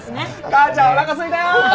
母ちゃんおなかすいたよ！